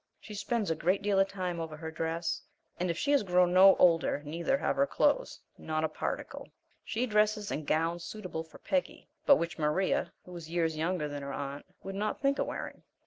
She spends a great deal of time over her dress, and, if she has grown no older, neither have her clothes not a particle. She dresses in gowns suitable for Peggy, but which Maria, who is years younger than her aunt, would not think of wearing.